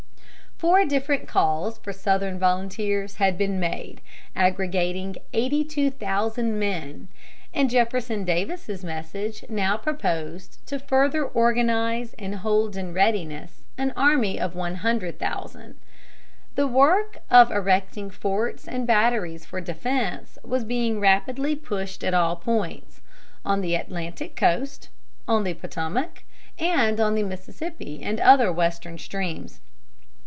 Four different calls for Southern volunteers had been made, aggregating 82,000 men; and Jefferson Davis's message now proposed to further organize and hold in readiness an army of 100,000. The work of erecting forts and batteries for defense was being rapidly pushed at all points: on the Atlantic coast, on the Potomac, and on the Mississippi and other Western streams.